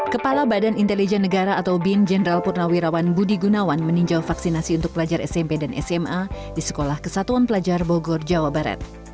kepala badan intelijen negara atau bin jenderal purnawirawan budi gunawan meninjau vaksinasi untuk pelajar smp dan sma di sekolah kesatuan pelajar bogor jawa barat